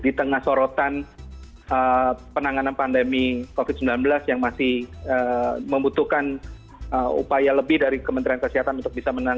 di tengah sorotan penanganan pandemi covid sembilan belas yang masih membutuhkan upaya lebih dari kementerian kesehatan untuk bisa menangani